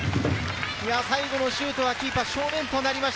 最後のシュートはキーパー正面となりました。